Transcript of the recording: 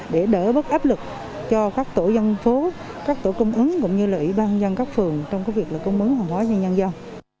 để đỡ bất áp lực cho các tổ dân phố các tổ cung ứng cũng như là ủy ban nhân các phường trong cái việc là cung ứng hàng hóa cho nhân dân